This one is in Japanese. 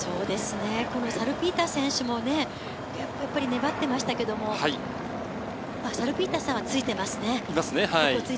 サルピーター選手も粘ってましたけど、サルピーターさんはついてますね。